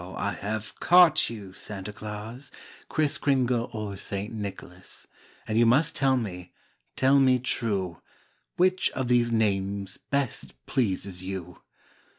I have caught you Santa Claus, Kriss Kringle or St. Nicholas, And you must tell me, tell me true. Which of these names best pleases you'?